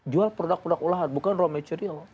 jual produk produk olahan bukan raw material